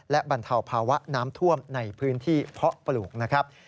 และบรรเทาภาวะน้ำท่วมในพื้นที่เพาะปลูกนะครับ